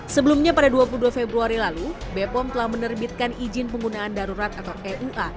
sebelumnya pada dua puluh dua februari lalu bepom telah menerbitkan izin penggunaan darurat atau eua